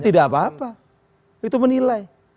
tidak apa apa itu menilai